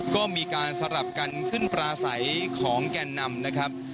ก็มีการสลับกันขึ้นปลาใสของแก่นนำนะครับ